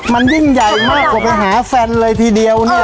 มันยิ่งใหญ่มากกว่าไปหาแฟนเลยทีเดียวเนี่ย